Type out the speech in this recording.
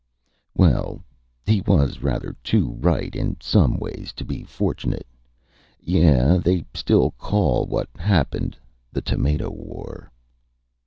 Well he was rather too right, in some ways, to be fortunate. Yeah they still call what happened the Tomato War.